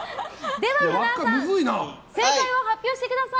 では、はなわさん正解を発表してください。